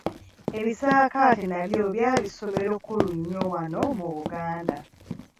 Ebisaakaate nabyo byali ssomero kkulu nnyo wano mu Buganda.